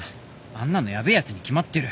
あんなのヤベえやつに決まってる